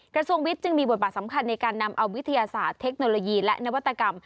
กระทรวงวิทย์จึงมีบทบาทสำคัญในการนำเอาวิทยาศาสตร์เทคโนโลยีและนวัตกรรม